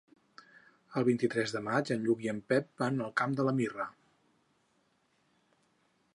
El vint-i-tres de maig en Lluc i en Pep van al Camp de Mirra.